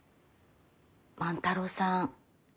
万太郎さん